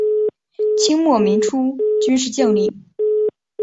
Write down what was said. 清末民初军事将领。